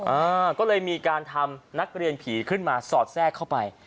อ่าก็เลยมีการทำนักเรียนผีขึ้นมาสอดแทรกเข้าไป